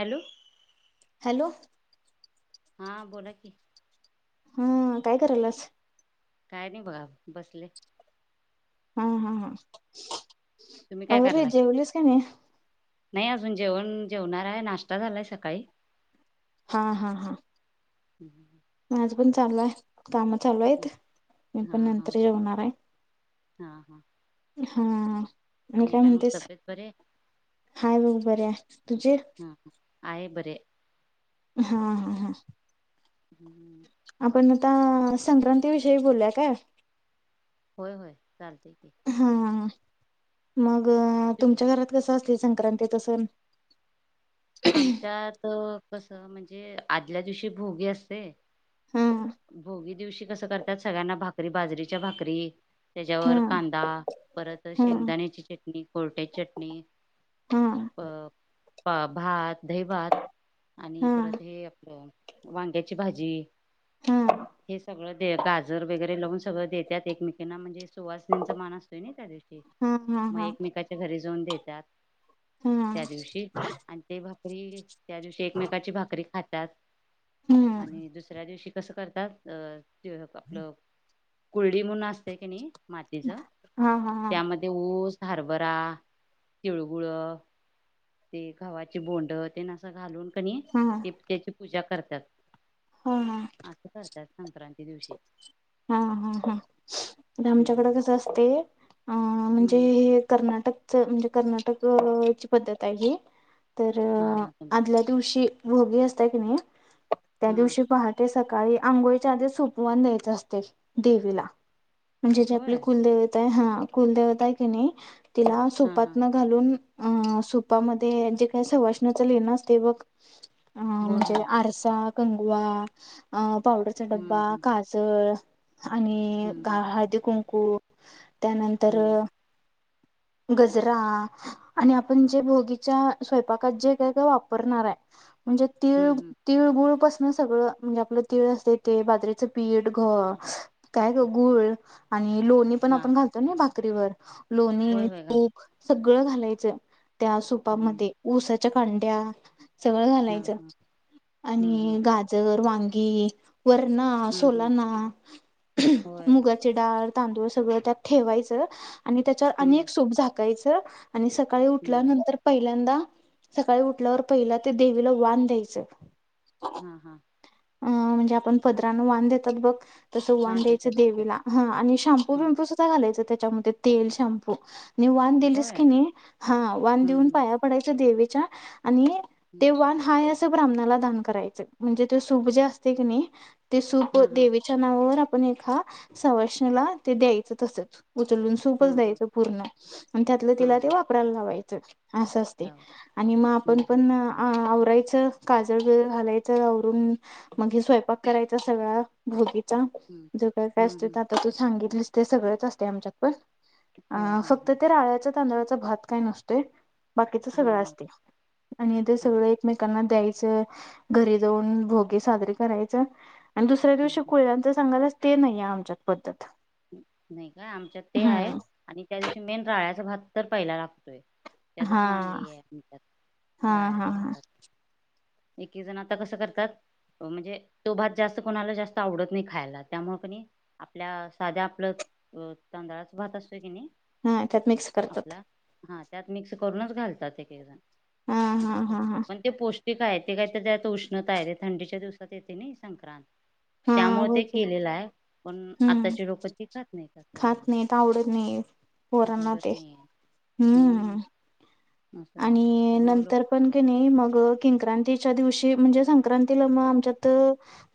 Hello hello हा बोला की हम काय करालस काय नाही बघा बसले हा हा हा होे तुम्ही काय आवरल करलाय जेवलस काणे नाही अजून जेवण जेवणार आहे नाश्ता झालाय सकाळी हा हा हा हम्म. आज पण चालूय काम चालू आहेत मी हा पण हा नंतर जवणार आहे हा हा हा मी आणि काय मग म्हणतेस तब्येत बरे आहे? हाय बघ बर आहे तुझे आहेय बरे हा हा हा हम्म आ संक्रांती विषयी बोलल्या काय होय होय चालतंय की हा मग तुमच्या घरात कस असतय संक्रांतीचा सण आमच्यात कस म्हणजे आदल्या दिवशी भोगी असते हा भोगी दिवशी कसं करतात सगळ्यांना भाकरी बाजरीच्या भाकरी हा त्याच्यावर कांदा परत हा शेंगदाण्याची चटणी भुरट्याची चटणी हा प पा भात दही भात आणि हा हा परत हे आपलं वांग्याची भाजी ह [unintelligible] हे सगळं दे गाजर वगैरे लावून सगळ देतात. एकमेकींना म्हणजे सुवासनींचा मान असतोय ना त्या दिवशी. हा हा हा मग हा एकमेकाचा घरी जाऊन देतात हा त्या दिवशी आणि ते भाकरी त्या दिवशी एकमेकाची भाकरी खात्यात. आणि दुसऱ्या दिवशी कसं करतात ते आपलं कुलडी म्हणून असते कणी मात तिज हा हा हा त्यामध्ये ऊस हरबरा तिळगुळ ते घव्हाचे बोंड तेन असं घालून कनी ते हा त्याची पूजा करत्यात. असं करत्यात संक्रांती दिवशी. हा हा हा आमच्याकडे हम्म कसं असते हा हम्म म्हणजे कर्नाटक च म्हणजे कर्नाटक ची पद्धत आहे ही तर हा हा तुमची आदल्या दिवशी भोगी असतय कणी त्या हा दिवशी पहाटे स काळी आंघोळीच्या आधीच सुपवान द्यायच असते देवीला. म्हणजे जी होय आपली कुलदेवता हा कुलदेवता आहे कणी तिला हा हा सुपातन घालून अ सुपामध्ये जे काय सवासनांचं लेन असते बघ. आ होय हा म्हणजे आरसा, कंगवा आ पावडरचा हम्म डब्बा हम्म काजळ आणि हम्म घाई हळदी कुंकू त्यानंतर हम्म गजरा आणि आपण जे भोगीच्या स्वयंपाकात जे काय काय वापरणाराय. म्हणजे तिळ हम्म हम्म तिळगुळ पासन सगळं म्हणजे आपलं तिळ असते ते बाजरीचं पीठ अ बर काय ग गुळ आणि लोणी पण हा आपण घालतो ना भाकरीवर होय लोणी. होय घाल. तूप सगळं घालायचं त्या हम्म सूपामध्ये ऊसाच्या कांड्या सगळं हा घालायचं हा हम्म हम्म आणि गाजर, वांगी वरणा हम्म हम्म सोलाना होय मुगाची डाळ तांदूळ सगळं त्यात ठेवायचं आणि त्याच्यावर हम्म अनेक सूप झाकायचं. आणि सकाळी हम्म उठल्यानंतर पहिल्यांदा सकाळी उठल्यावर पहिला ते देवीला वान द्यायचं. हा हा. अ म्हणजे आपण पदरान वान देतात बघ. तस हा वान द्यायचं देत्यात की त्यात देवीला हा आणि शॅम्पू हा बिम्पू सुद्धा घालायचं त्याच्यामध्ये तेल शॅम्प. वान दिलीस होय कणी हा वान हम्म देऊन हम्म पाया पडायच देवीच्या. आणि ते हम्म वाण हाय असं ब्राह्मणाला दान करायचं म्हणजे ते सुप जे असते कणी ते सूप हा हा देवीच्या नावावर आपण एखा सवासणीला द्यायचं तसंच. उचलून हा सूपच हा द्यायचं पूर्ण आणि त्यातलं हा तिला ते हा वापरायला लावायचं. अस असते लाव आणि मग आपण हम्म हम्म पण आव रायचं काजळ बिग घालायचं आवरून मग स्वयंपाक करायचा सगळ भुगीत चा हम्म हम्म प्लास्ट हम्म आता तू सांगितलीस ते सगळंच असतं आमच्यात पण. अ होय हा हा फक्त ते राळ्याच्या तांदळाचा भात काय नसतोय. बाकीच हा सगळं हा असतय आणि ते हा सगळं एकमेकांना द्याय चं, घरी जाऊन भोगे साजरे करायच आणि दुसऱ्या दिवशी हा हा कुळ्याच्या संगाला ते नाय आहे आमच्यात पद्धत. नाही काय आमच्यात ते आहे. हम्म आणि त्या दिवशी मेन राळ्याचा भात तर पहीला लागतोय. हा त्याचच मान लयी आहे आमच्यात हा हा राळ्याच्या हा भातात. एकी जण आता कसं करतात? म्हणजे तो भात जास्त कोणाला जास्त आवडत नाही खायला त्यामुळे कणी आपल्या साध्या आपलं तांदळाच भात असतोय की नाही, हा त्यात मिक्स करतात. आपला हा त्यात मिक्स करूनच घालतात हा एककेजन हा अस हा हा पण ते पो स्टिक हाय ते काय ते काय त्यात उष्णता आहे ते थंडीच्या दिवसात येते नाही संक्रांत. हा त्यामुळे होय ते की केलेलं आहे पण आत-. हम्म त्याची रोप तिकच नाहीस झालं, खात नाहीत आवडत नाही पोरांना उडत ते नाहीय. हम्म झालं आणि त्यामुळे लोक नंतर पण क नाही मग किंक्रांती च्या दिवशी म्हणज संक्रांती आमच्यात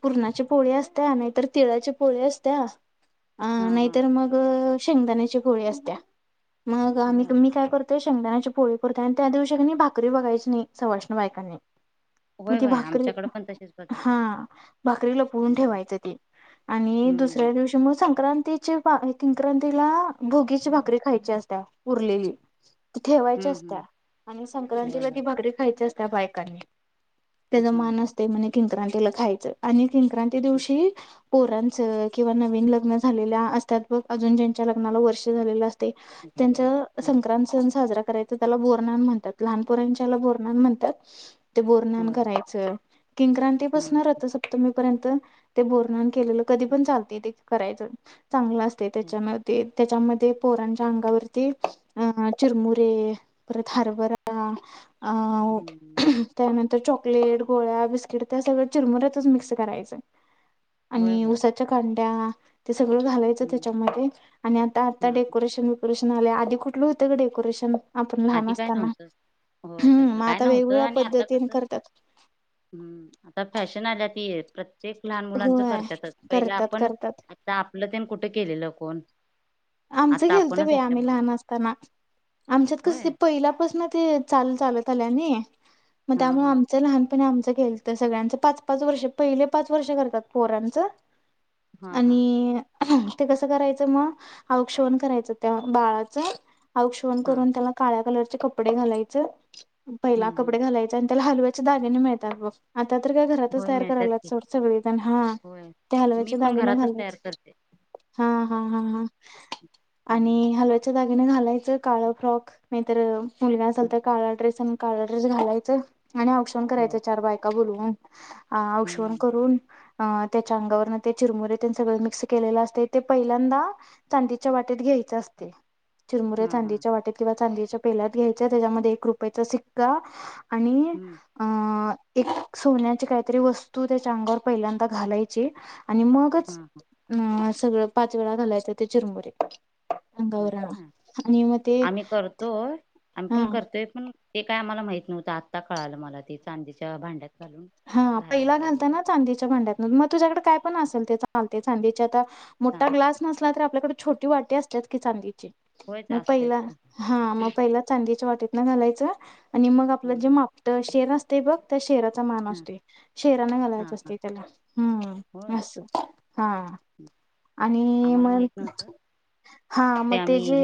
पूर्णा पोळी असत. नाही तर तिळा पोळी. असत्या. अ हा हा नाहीतर मग शेंगदाण्याचे पोळी असत्या. मग आम्ही होय तुम्ही काय करतो! शेंगदाण्याची पोळी करतय. आणि त्या दिवशी भाकरी बघायच नाही सवाष्ण बाईकांनी. होय होय आमच्याकडे पण तशीच पद्धत हा आहे भाकरी लपवून हम्म ठेवायचं ते आणि हम्म दुसऱ्या दिवशी म संक्रांती. कक्रांतीला भोगीची भाकरी खायची असत्या उरलेली. त ठेवायच हम्म हम्म असत्या आणि होय संक्रांतीला ती होय भाकरी खायची असत्या बायकांनी. त्याचा हा मान हा असते म्हण किंक्रांतीला खायचं. आणि किंक्रांती दिवशी पोरांचं किंवा नवीन लग्न झालेल्या असत्याात बघ अजून ज्यांच्या लग्नाला वर्ष झालेलं अस. नक्की चालेल त्यांचा ना. हा संक्रांत सण साजरा. करायचा त्याला बोरनान म्हणतात लहानपरच्याला बोरनान म्हणतात. ते बोरनान होय हो करायचं. किंक्रांती बसणार रथसप्तमी पर्यंत ते बोरनान केलेलं कधी पण चालत करायचं. चांगलं असते. त्याच्यामध्ये त्याच्यामध्ये पोरांच्या अंगावरती अ चिरमुरे, परत हरभर, हम्म. तर चॉकलेट, गोळ्या, बिस्किट, त्या सगळं चिरमुऱ्यातच मिक्स करायचं. होय आणि होय उसाच्या कांड्या, ते सगळं घालायचं हम्म त्याच्यामध्ये आणि आता आता हा हा. डेकोरेशन वरेश, आधी कुठलं होतं ग डेकोरेशन? आपण लहान आधी काय असताना नव्हतं होय हम् तसलं मग काय आता नव्हतं वेगवेगळ्या आणि आता पद्धतीने कसं करतात. हम्म आता फॅशन आल्या त येत. प्रत्येक लहान मुलांचं होय करतातच पहिलं करतात आपण करतात आता आपलं ते कुठं केलेलं कोण? आमचं आता घेलत भ आपणच आपल्या आम्ही मुलां लहान असताना आमच्यात कस ते होय पहिलापासन ते. चालत आल्याने हा त्यामुळे हा आमचं लहानपण आमचं. तर सगळ्यांच पाच पाच वर्ष पहिले पाच वर्ष करतात. पोरांचं? हा हा आणि ते कसं करायचं मग? औक्षवण करायचं त्या बाळाचं अवक्षोभण हा करून त्याला काळ्या कलर कपडे घालायच पहिला हम्म हम्म कपडे घालायच आणि त्याला हलव्याच्या दारने मिळतात. आता तर काय घरातच होय तयार मिळतात करायला की स सगळे हा. होय त्या मी हलव्याच्या पण दागेने घरातच तयार घालच. करते हा. हा. हा. हा. हम्म आणि हलव्याच दगिने घालायचं काळ फ्रॉक नाहीतर, मुलगाना असाल तर काळा ड्रेस आणि काळा ड्रेस घालायचं. आणि औक्षण करायच. होय चार बायका बोलून अ आऔष्वण हम्म करून. अ त्याच्या अंगावरन ते चिरमुर त्यां सगळं मिक्स केलेलं असते ते पहिल्यांदा, चांदीच्या वाटेत घ्यायच असते. चिरमुरे हा हा चांदीच्या वाटेत किंवा चांदी.. पेल्यात घ्यायच्या त्याच्यामध्ये एक रुपयाचा सिक्का आणि हम्म अ. एक सोन्याची काहीतरी वस्तू त्याच्या अंगावर पहिल्यांदा घालायची. आणि हा मगच हा अ सगळं पाच वेळा घालायचं ते चिरमुरी. आम्ही करतो आम्ही हा पण करतोय पण ते काय आम्हाला माहीत नव्हतं आत्ता कळालं मला ते चांदीच्या भांड्याच. हा पहिला घालता ना चांदीच्या भांड्यात मग तुझ्याकडे काय पण असेल ते चालते चांदीचे आता.. चां मोठा ग्लास नसला तर आपल्याकडे छोटी वाटी असतात की चांदीची. होयच मग असतेच पहिला हा मग पहिला चांदीच्या वाटीत ना घालायचं. आणि मग आपलं जे की मापट शेर असतंय बघ त्या शेराचा- मान हा शेराने हा घालायच हा असतंय त्याला होय हम्म अस हा. हम्म. आणि आम्हाला मग माहित नव्हतं हा मग ते जे.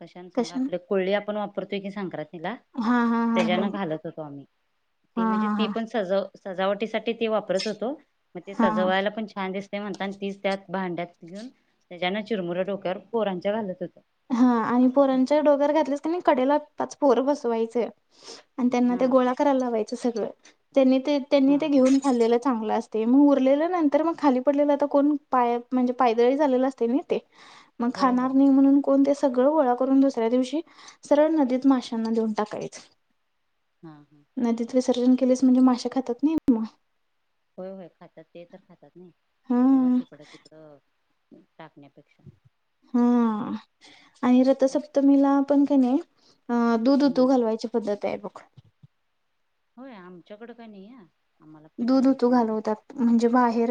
कशान सांगा कशा आपले कोळी आपण वापरतोय की संक्रांतीला ला हा हा हा हा त्याच्यान घालत होतो आम्ही ती हा म्हणजे हा ती हा हा पण सज सजावटीसाठी ते वापरत होतो मग ते हा सजवायला पण छान दिसतंय ते म्हणता आणि तीच त्यात भांड्यात घेऊन त्याच्यां चिरमुऱ्या डोक्यावर पोरांच्या घालत होते हा आणि पोरांच्या डोक्यावर घातलीस कनी कडेलाच पोर बसवायच आणि त्यांना हा ते गोळा करायला लावायचं सगळं त्यांनी ते हा त्यांनी ते हा घेऊन खाल्लेलं चांगलं अस ते मग उरलेलं नंतर मग खाली पडलेलं आता कोण पाय म्हणजे पायदळी झालेला असते ना ते मग होय खाणार होय नाही म्हणून पण ते सगळं गोळा करून दुसऱ्या दिवशी सरळ नदीत माशांना देऊन टाकायच हम्म हम्म विसर्जन केलेस म्हणजे माश्या खातात नाही होय होय खातात ते तर खातात नाही उगं हा इकडं तिकड टाकण्यापेक्षा हा आणि रथसप्तमीला पण कणी अ दूध उतू हम्म घालवायची पद्धत आहे बग होय आमच्याकडे का नाही आहे आम्हाला पण काय दूध माहित उतू नाही एवढं घालवतात म्हणजे बाहेर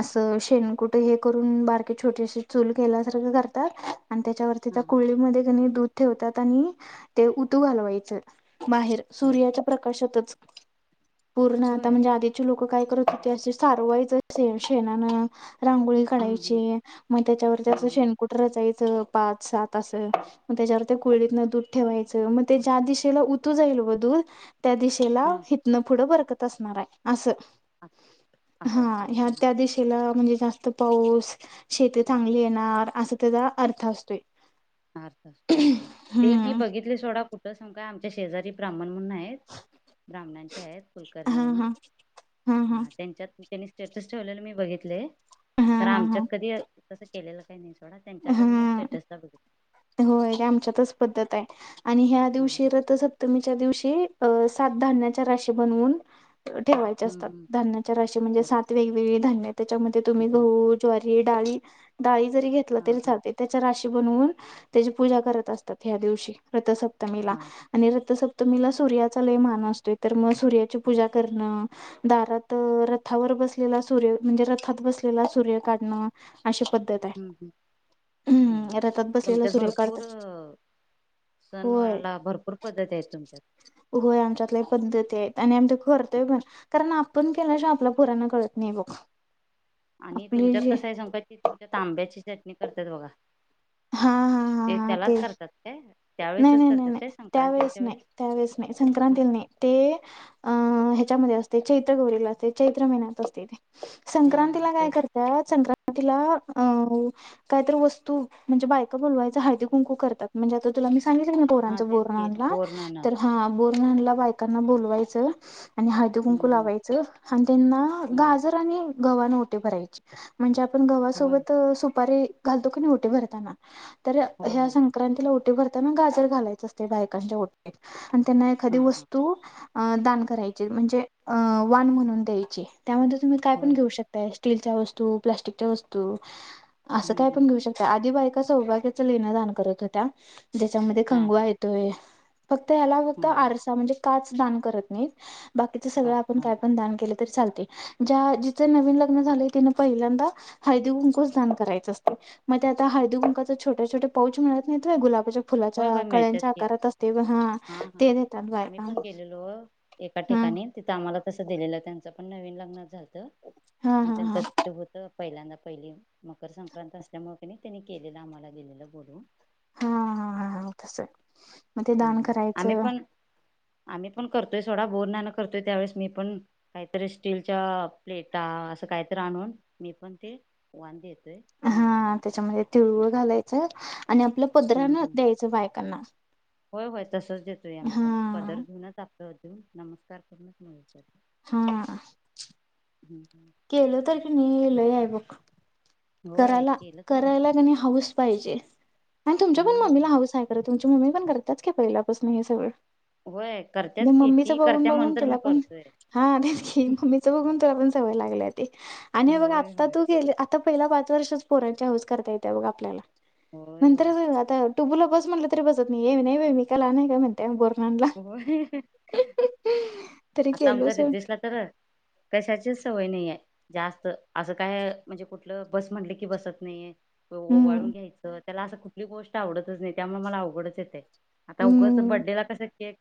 असं शेणकुठे हे करून बारके छोटीशी चूल केल्यासारखं करतात आणि त्याच्यावरती त्या हा हा कुळडीमध्ये कणी दूध ठेवतात आणि ते ऊतू घालवायचं बाहेर होय का सूर्याच्या प्रकाशातच पूर्ण आता होय म्हणजे आधीचे लोक काय करत होते असे सारवायचं अस शेणानं रांगोळी हम्म काढायची मग त्याच्यावरती असं हम्म हा शेनकुट रचायचं पाच सात अस मग त्याच्यावर कोळीडीतन दूध ठेवायच मग ते ज्या दिशेला उतू जाईल त्या दिशेला हा हा हितन पुढं बरकत असणार आहे असं अ- असं हा असते ह व्हय? हा, त्या दिशेला म्हणजे जास्त पाऊस शेती चांगली येणार असा त्याचा अर्थ असतोय हा ते मी हम्म बघितले सोडा कुठ सांगू काय आमच्या शेजारी ब्राह्मण ब्राह्मणांचे आहेत कुलकर्णी हा म्हणून हा हा त्यांच्यात त्यांनी स्टेटस ठेवलेलं मी बघितलंय हा तर हा आमच्यात कधी कसं केलेलं काही नाही हा त्यांच्यातच मी हा स्टेटसला बघितला होय आमच्यातच पद्धत आहे आणि ह्या हा दिवशी हा रथसप्तमीच्या दिवशी अ सात धान्याच्या राशी बनवून ठेवायचे हम्म असतात हम्म धान्याच्या राशी म्हणजे बरं सात वेगवेगळी धान्य त्याच्यामध्ये तुम्ही झालं. गहू ज्वारी डाळी डाळी जरी घेतलं हा तरी हा चालतंय त्याच्या राशी बनवून त्याची पूजा करत असतात ह्या दिवशी रथसप्तमीला हा हा आणि रथसप मीला सूर्याचा लय मान असतोय तर मग सूर्याची पूजा करणं दारात रथावर रथात बसलेला सूर्य म्हणजे रथात बसलेला सूर्य काढणं अशी पद्धत आहे हम हो रथात बसलेला सूर्य काढत सनवाराला भरपूर पद्धती आहे तुमची होय आमच्यात लय पद्धती आहेत आणि आम्ही ते करतोय पण पण आपण केल्याशिवाय आपल्या पोरांना कळत नाही बघ आणि आपली तुमच्यात जी कसं आहे सांग ती तुमच्या तांब्याची चटणी करतात बघा हा हा हा हा ते त्यालाच करतात काय नाही त्यावेेळेसच नाही नाही करतात काय नाही त्यावेळेस संक्रांतीच्या नाही वेळेस त्यावेळेस नाही ह संक्रांतीला नाही ते अ याच्यामध्ये असते चैत्रगौरी ला असते चैत्र महिन्यात असते हा हा संक्रांतीला काय तेच करतात संक्रांत तिला अ काहीतरी वस्तू म्हणजे बायका बोलवायच हळदी कुंकू करतात म्हणजे तर तुला मी सांगितलेलं ना हा पोरांचं तेच की बोरन्हानला बोर नाणं तर हा बोर न्हानला बायकांना बोलवायचं आणि हळदी कुंकू हम्म हम्म लावायच आणि त्यांना हम्म गाजर आणि गव्हान ओटी भरायची म्हणजे आप आपण होय गव्हासोबत सुपारी घालतो की नाही ओटी भरताना तर होय ह्या होय संक्रांतिला ओट ओटी भरताना गाजर घालायच असते बायकांच्या ओटीत आणि त्यांना हा एखादी हा वस्तू अ दान करायची म्हणजे अ वान म्हणून द्यायची त्यामध्ये तुम्ही काय होय पण होय. घेऊ शकता स्टीलच्या वस्तू प्लाटिकच्या वस्तू अस हम्म काय हम्म पण घेऊ शक आधी बाय का सौभाग्याच लेण दान करत होत्या ज्याच्यामध्ये हा हा कंगवा येतोय फक्त ह्याला फक्त हा आरसा म्हणजे काच दान करत नाहीत बाकीचं सगळं पाच आपण हा काय पण दान केलं तरी चालतय ज्या जिच नवीन लग्न झाले तिनी पहिल्यांदा हळदी कुंकूच दान करायचं असत. म ते आता हळदी कुंकाच छोटे छोटे पाऊच मिळत नाहीत होय गुलाबाच्या होय फुलाच्या होय मिळतात कळ्यांच्या की आकारात असते ब हा ते देतात बायका ह. आणि तिथं आम्हाला कसं दिलेलं त्यांच पण नवीन लग्न झालत हा मग हा त्यांच हा ते होत पहिल्यांदा पहिली मकर संक्रांत असल्यामुळे क नाही त्यांनी केलेलं आम्हाला दिलेलं बोलूवून. हा हा हा तस मग ते दान हम्म. आम्ही करायचं पण आम्ही पण करतोय सोडा बोरन्हान करतोय त्यावेळेस मी पण काहीतरी स्टीलच्या प्लेटा अस काहीतर आणून मी पण ते वाण देतोय महिला हा त्याच्यामध्ये तिळगुळ घालायचं आणि आपल्या पदरानं हम्म द्यायचं बायकांना. होय, होय तसच देतोय आम्ही पण पदर हा घेऊनच [unintelligible] हा. हम्म केलं तर की नई लई आहे बघ. होय करायला केलं तर भरपूर करायला क नाही हऊस पाहिजे. आणि तुमच्या पण मम्मीला हम्म हाऊस आहे खर तुमची मम्मी पण करताच की पहिल्यापासन हे सगळं. होय. म करतेच की मम्मीच ती बघून करत्या बघून म्हणून तर तुला मी पण करतोय हा तेच की मम्मीच बघून तुला पण सवय लाग ले ती आणि हे बघ होय आता होय तू गेल आता पहिला पाच वर्षच पोरांची हौस करता येते बघ आपल्याला. होय नंतर होय जर आता टुबूला बस म्हटलं तरी बसत नाही ए नाही बाइ मी काय लहान आहे. का म्हणते बर होय. तरी आता गेलो आमचं सोड दिसला तर कशाचीच सवय नाही. नाहीये जास्त असं काय म्हणजे कुठलं बस म्हटलं की बसत नाहीये. ओवाळून हम्म घ्यायचं त्याला असं कुठली गोष्ट आवडतच नाही त्यामुळे मला अवघडच आहे ते. आता उगच हम्म. बड्डे ला कसं केक